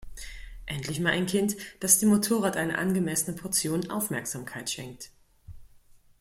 Endlich mal ein Kind, das dem Motorrad eine angemessene Portion Aufmerksamkeit schenkt!